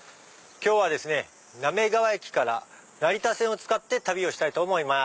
今日は滑河駅から成田線を使って旅をします。